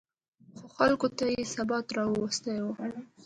خو خلکو ته یې ثبات راوستی و